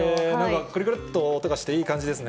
くるくるっと音がして、いい感じですね。